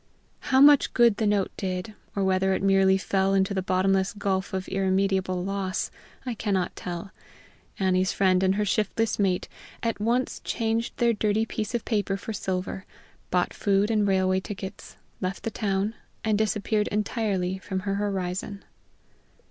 How much good the note did, or whether it merely fell into the bottomless gulf of irremediable loss, I cannot tell. Annie's friend and her shiftless mate at once changed their dirty piece of paper for silver, bought food and railway tickets, left the town, and disappeared entirely from her horizon.